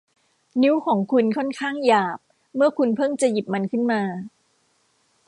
นิ้วของคุณค่อนข้างหยาบเมื่อคุณเพิ่งจะหยิบมันขึ้นมา